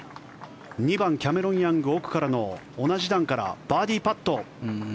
２番、キャメロン・ヤング奥からの同じ段からバーディーパット。